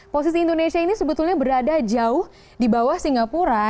posisi indonesia ini sebetulnya berada jauh di bawah singapura